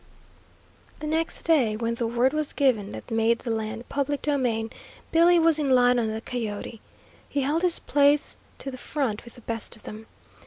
The next day when the word was given that made the land public domain, Billy was in line on the coyote. He held his place to the front with the best of them.